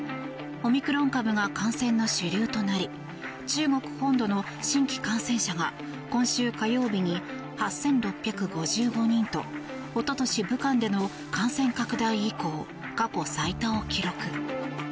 オミクロン株が感染の主流となり中国本土の新規感染者が今週火曜日に８６５５人と一昨年、武漢での感染拡大以降過去最多を記録。